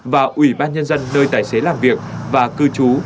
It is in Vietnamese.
và ủy ban nhân dân nơi tài xế làm việc và cư trú